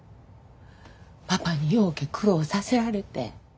パパにようけ苦労させられて。